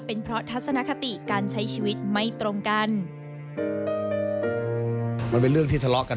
เป็นเพราะทัศนคติการใช้ชีวิตไม่ตรงกัน